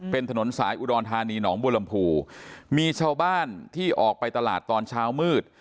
เป็นถนนสายอุดรธานีหนองบัวลำพูมีชาวบ้านที่ออกไปตลาดตอนเช้ามืด